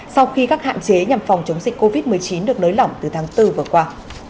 sau khi các hạn chế nhằm phòng chống dịch covid một mươi chín được nới lỏng từ tháng bốn vừa qua